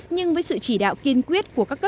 nhưng với sự chỉ đạo kiên quyết của các đường giao thông